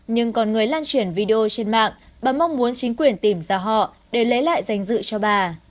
nhưng còn người lan chuyển video trên mạng bà mong muốn chính quyền tìm ra họ để lấy lại danh dự cho bà